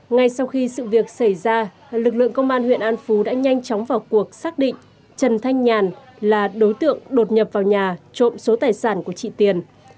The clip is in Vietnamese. ngay sau khi sự việc xảy ra lực lượng công an huyện an phú đã nhanh chóng vào cuộc xác định trần thanh nhàn là đối tượng đột nhập vào nhà trộm số tài sản của chị tiền